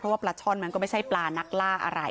ว่าปลาช่อนมันก็ไม่ใช่ปลานักล่าอะไร